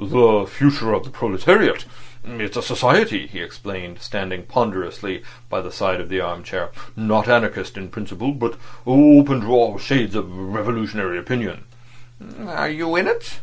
"The Future of the Proletariat. It's a society," he explained, standing ponderously by the side of the arm chair, "not anarchist in principle, but open to all shades of revolutionary opinion." "Are you in it?"